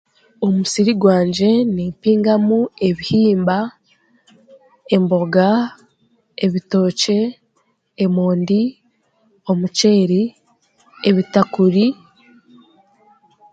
Omumusiiri gwangye nimpingamu ebihimba, embooga, ebitookye, emoondi, omuceeri, ebitakuuri.